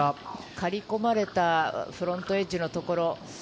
刈りこまれたフロントエッジのところ。